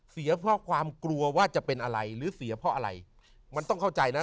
เสียเพราะความกลัวว่าจะเป็นอะไรหรือเสียเพราะอะไรมันต้องเข้าใจนะ